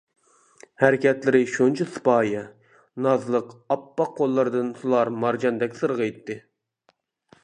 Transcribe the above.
ھەرىكەتلىرى شۇنچە سىپايە، نازلىق ئاپئاق قوللىرىدىن سۇلار مارجاندەك سىرغىيتتى.